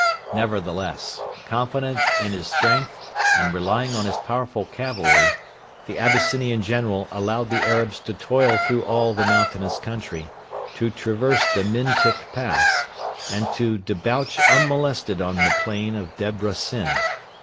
Nevertheless, confident in his strength and relying on his powerful cavalry, the Abyssinian general allowed the Arabs to toil through all the mountainous country, to traverse the Mintik Pass, and to debouch unmolested on to the plain of Debra Sin.